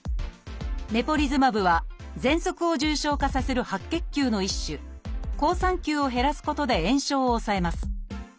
「メポリズマブ」はぜんそくを重症化させる白血球の一種好酸球を減らすことで炎症を抑えます。